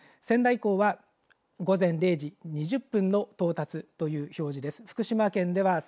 仙台港は午前０時２０分の到達という表示です。